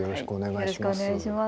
よろしくお願いします。